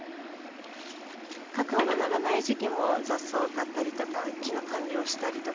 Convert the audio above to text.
カカオがならない時期も雑草を刈ったりとか木の管理をしたりとか。